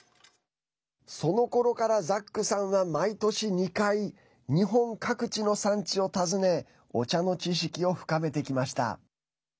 そのころからザックさんは毎年２回日本各地の産地を訪ねお茶の知識を深めてきました。